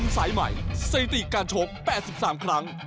สีตีการชก๑๑๑ครั้ง